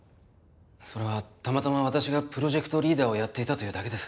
それはたまたま私がプロジェクトリーダーをやっていたというだけです。